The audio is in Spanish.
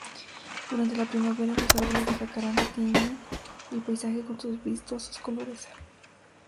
Durante la primavera los árboles de Jacaranda tiñen el paisaje con sus vistosos colores.